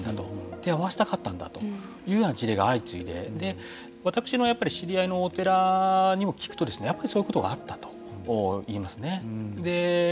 手を合わしたかったんだというような事例が相次いで私の知り合いのお寺にも聞くとやっぱりそういうことがあったといいますね。